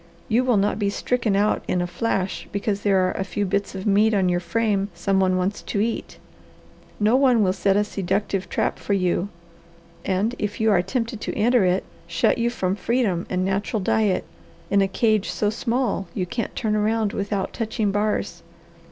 You will not be stricken out in a flash because there are a few bits of meat on your frame some one wants to eat. No one will set a seductive trap for you, and, if you are tempted to enter it, shut you from freedom and natural diet, in a cage so small you can't turn around without touching bars.